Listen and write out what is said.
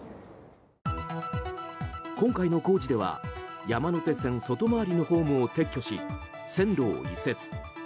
今回の工事では、山手線外回りのホームを撤去し線路を移設。